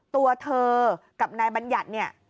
ตัวเธอกับนายบัญญัติเนี่ย